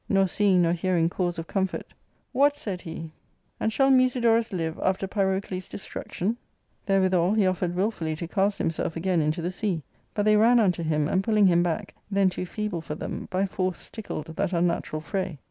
nor seeing nor hearing cause of comfort, What,*' said he, " and shall Musidorus live after Pyrocles' destruc tion ? Therewithal he offered wilfully to cast himself again into the sea ; but they ran unto him, and pulling him back, then too feeble for them, by force stickled* that un natural fray.